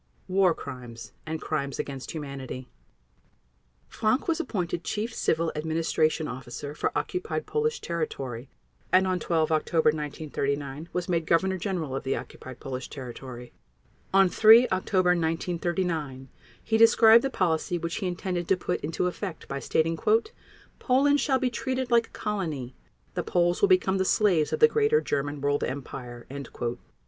War Crimes and Crimes against Humanity Frank was appointed Chief Civil Administration Officer for occupied Polish territory and, on 12 October 1939, was made Governor General of the occupied Polish territory. On 3 October 1939 he described the policy which he intended to put into effect by stating: "Poland shall be treated like a colony; the Poles will become the slaves of the Greater German World Empire."